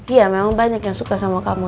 ya memang banyak yang suka sama kamu